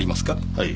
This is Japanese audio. はい。